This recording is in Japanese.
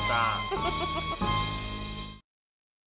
・フフフフフ！